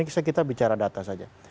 kita bicara data saja